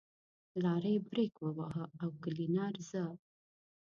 لارۍ برېک وواهه او کلينر زه.